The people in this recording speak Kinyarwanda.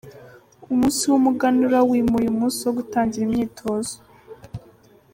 Umunsi w’Umuganura wimuye umunsi wo gutangira imyitozo .